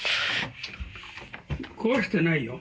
壊してないよ。